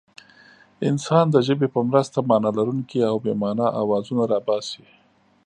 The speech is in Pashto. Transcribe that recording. انسان د ژبې په مرسته مانا لرونکي او بې مانا اوازونه را باسي.